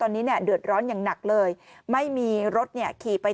ตอนนี้เนี่ยเดือดร้อนอย่างหนักเลยไม่มีรถเนี่ยขี่ไป